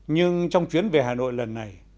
nhưng trong chuyến về hà nội lần này